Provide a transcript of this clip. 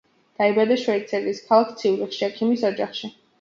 დაიბადა შვეიცარიის ქალაქ ციურიხში, ექიმის ოჯახში.